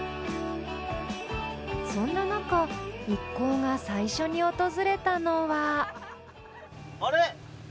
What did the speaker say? そんな中一行が最初に訪れたのはあれ？